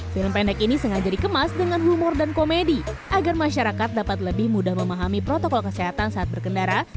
film pendek ini sengaja dikemas dengan humor dan komedi agar masyarakat dapat lebih mudah memahami protokol kesehatan saat berkendara